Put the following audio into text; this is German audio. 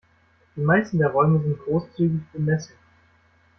Die meisten der Räume sind großzügig bemessen.